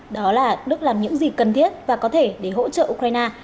đó là đức làm những gì cần thiết và có thể để hỗ trợ ukraine